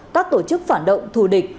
các tổ chức phản động thù địch